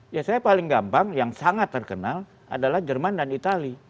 ya saya paling gampang yang sangat terkenal adalah jerman dan itali